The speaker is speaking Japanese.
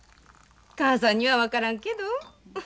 母さんには分からんけど。